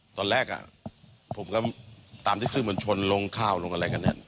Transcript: ตอนแรกผมก็ตามที่สื่อมวลชนลงข้าวลงอะไรกันเนี่ย